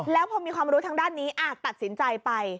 แล้วพอมีความรู้ทางด้านนี้อาจตัดสินใจไป